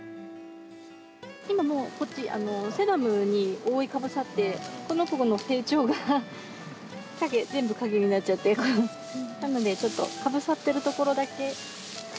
今もうこっちセダムに覆いかぶさってこの子の成長が全部陰になっちゃってるからなのでちょっとかぶさってる所だけ。